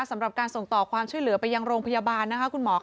สำหรับการส่งต่อความช่วยเหลือไปยังโรงพยาบาลนะคะคุณหมอค่ะ